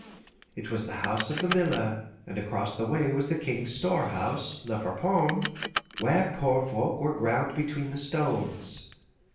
It was the house of the miller, and across the way was the King's storehouse, La Friponne, where poor folk were ground between the stones.